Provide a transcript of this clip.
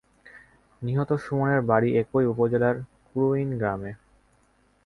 নিহত সুমনের বাড়ি একই উপজেলার কুড়ুইন গ্রামে।